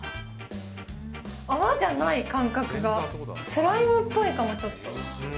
泡じゃない、感覚が、スライムっぽいかも、ちょっと。